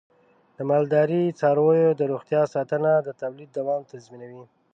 د مالدارۍ د څارویو د روغتیا ساتنه د تولید دوام تضمینوي.